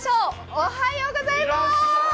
おはようございます！